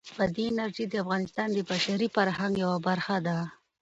بادي انرژي د افغانستان د بشري فرهنګ یوه برخه ده.